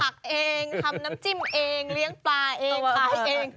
เองทำน้ำจิ้มเองเลี้ยงปลาเองขายเอง